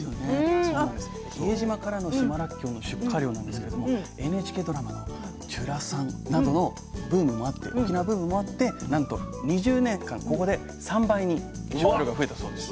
で伊江島からの島らっきょうの出荷量なんですけれどもＮＨＫドラマの「ちゅらさん」などのブームもあって沖縄ブームもあってなんと２０年間ここで３倍に出荷量が増えたそうです。